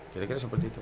kira kira seperti itu